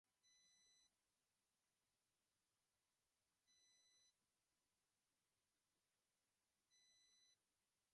Fue enviado a las Islas Afortunadas, las islas de los bienaventurados por su padre.